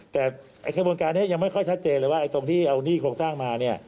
แต่กระบวนการนี้ยังไม่ค่อยชัดเจนเลยว่าตรงที่เอาหนี้โครงสร้างมาเนี่ย